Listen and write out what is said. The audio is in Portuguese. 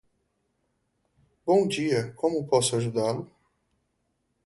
Bom dia, como posso ajudá-lo?